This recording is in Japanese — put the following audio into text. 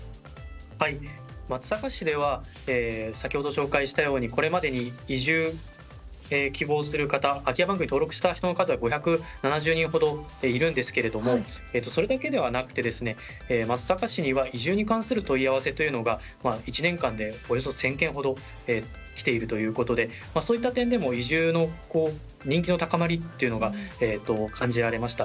松阪市では先ほど紹介したようにこれまでに移住希望する方空き家バンクに登録した人の数は５７０人ほどいるんですけれどもそれだけではなくて松阪市には移住に関する問い合わせというのが１年間でおよそ１，０００件ほどきているということでそういった点でも移住の人気の高まりっていうのが感じられました。